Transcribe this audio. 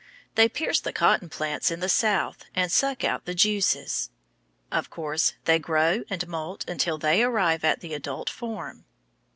They pierce the cotton plants in the South, and suck out the juices. Of course, they grow and moult until they arrive at the adult form.